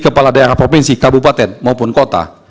kepala daerah provinsi kabupaten maupun kota